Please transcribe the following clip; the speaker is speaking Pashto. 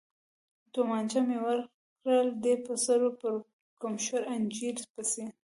تومانچه مې ورکړل، دی په سر پړکمشر انجنیر پسې.